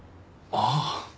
ああ。